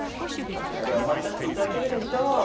こちらで思い出していただけるでしょう。